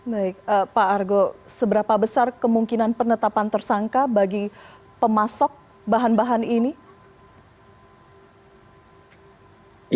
baik pak argo seberapa besar kemungkinan penetapan tersangka bagi pemasok bahan bahan ini